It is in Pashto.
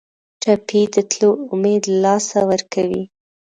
ټپي د تلو امید له لاسه ورکوي.